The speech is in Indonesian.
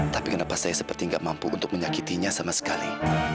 tapi kenapa saya seperti nggak mampu untuk menyakitinya sama sekali